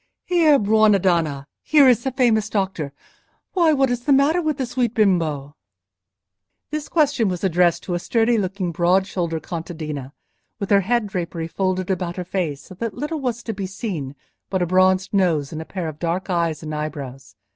Here, buona donna! here is the famous doctor. Why, what is the matter with the sweet bimbo?" This question was addressed to a sturdy looking, broad shouldered contadina, with her head drapery folded about her face so that little was to be seen but a bronzed nose and a pair of dark eyes and eyebrows.